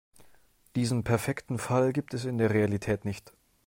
Diesen perfekten Fall gibt es in der Realität nicht.